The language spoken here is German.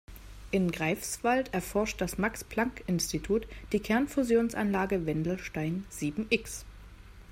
In Greifswald erforscht das Max-Planck-Institut die Kernfusionsanlage Wendelstein sieben-X.